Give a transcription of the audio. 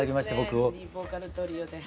スリーボーカルトリオで。